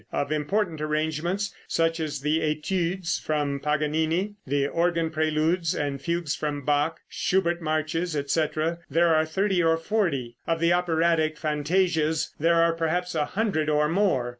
Of important arrangements, such as the études from Paganini, the organ preludes and fugues from Bach, Schubert marches, etc., there are thirty or forty. Of the operatic fantasias there are perhaps a hundred or more.